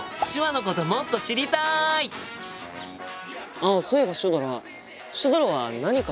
あっそういえばシュドラシュドラは何か趣味ってあるの？